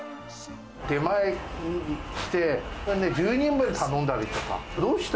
出前して、１０人分頼んだりとか、どうして？